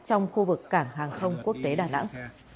trong khu vực cảng hàng không quốc tế đà nẵng